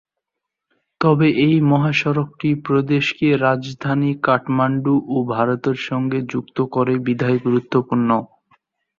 তবে এই মহাসড়কটি প্রদেশকে রাজধানী কাঠমান্ডু ও ভারতের সাথে যুক্ত করে বিধায় গুরুত্বপূর্ণ।